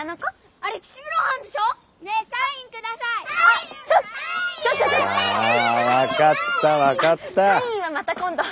あっサインはまた今度。